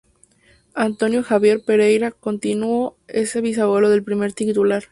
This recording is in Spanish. António Xavier Pereira Coutinho es el bisabuelo del primero titular.